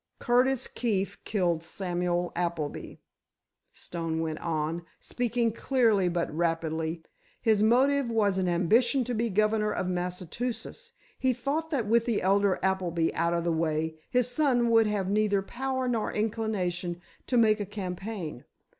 "Curtis Keefe killed Samuel Appleby," Stone went on, speaking clearly but rapidly. "His motive was an ambition to be governor of Massachusetts. He thought that with the elder Appleby out of the way, his son would have neither power nor inclination to make a campaign.